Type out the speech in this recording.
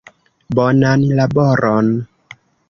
Bonan laboron!